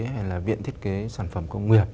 hay là viện thiết kế sản phẩm công nghiệp